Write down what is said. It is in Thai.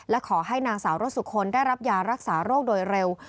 และขอให้นางสาวรสสุคนได้รับยารักษาโรคโดยเร็ว